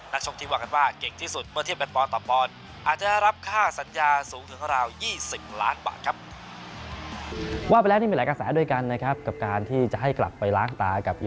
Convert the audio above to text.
นักชมที่วางกันว่าเก่งที่สุดเมื่อเทียบแบตปอนด์ต่อปอนด์